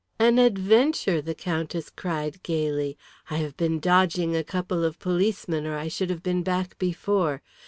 "An adventure!" the Countess cried gaily. "I have been dodging a couple of policemen, or I should have been back before.